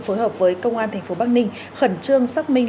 phối hợp với công an tp bắc ninh khẩn trương xác minh